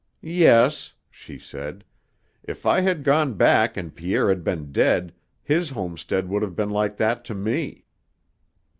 "Yes," she said; "if I had gone back and Pierre had been dead, his homestead would have been like that to me."